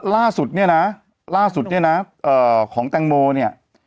ล่าสุดเนี่ยนะล่าสุดเนี่ยนะของแตงโมเนี่ย